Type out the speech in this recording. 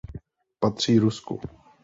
Patří Rusku.